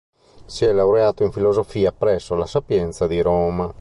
Si è laureato in filosofia presso la Sapienza di Roma.